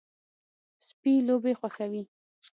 سپي لوبې خوښوي.